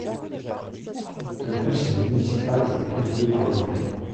Le conseil municipal était présidé par le maire.